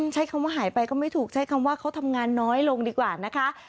ใช้คำว่าหายไปก็ไม่ถูกใช้คำว่าเขาทำงานน้อยลงดีกว่านะคะ